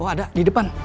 oh ada di depan